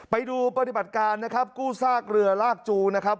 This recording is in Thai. ไปดูปฏิบัติการนะครับกู้ซากเรือลากจูนะครับ